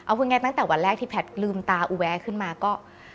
เอาพูดง่ายตั้งแต่วันแรกที่แพทย์ลืมตาอูแวะขึ้นมาก็